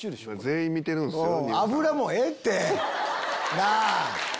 全員見てるんすよ。なぁ！